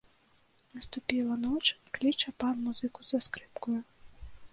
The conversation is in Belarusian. Наступіла ноч, кліча пан музыку са скрыпкаю.